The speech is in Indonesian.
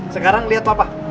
sekarang liat papa